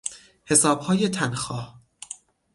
حسابهای تنخواه